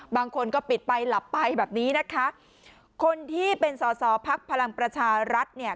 บางคนก็ปิดไปหลับไปแบบนี้นะคะคนที่เป็นสอสอพักพลังประชารัฐเนี่ย